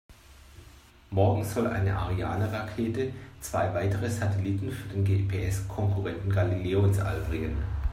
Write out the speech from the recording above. Morgen soll eine Ariane-Rakete zwei weitere Satelliten für den GPS-Konkurrenten Galileo ins All bringen.